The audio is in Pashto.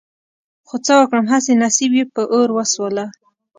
خو څه وکړم هسې نصيب يې په اور وسوله.